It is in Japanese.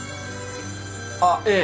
☎あっええ。